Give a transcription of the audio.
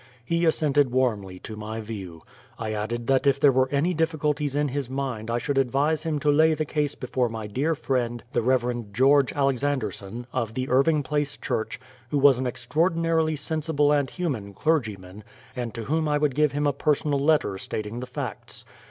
He assented warmly to my view. I added that if there were any difficulties in his mind I should advise him to lay the case before my dear friend the Reverend George Alexanderson, of the Irving Place Church, who was an extraordinarily sensible and human clergyman, and to whom I would give him a personal letter stating the facts.